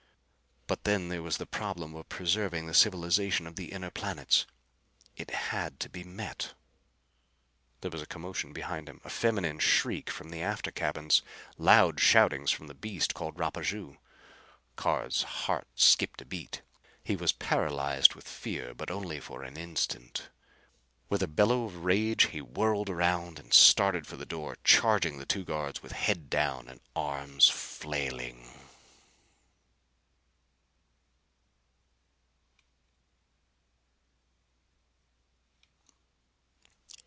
But then there was the problem of preserving the civilization of the inner planets. It had to be met. There was a commotion behind him; a feminine shriek from the after cabins; loud shoutings from the beast called Rapaju. Carr's heart skipped a beat. He was paralyzed with fear. But only for an instant. With a bellow of rage he whirled around and started for the door, charging the two guards with head down and arms flailing.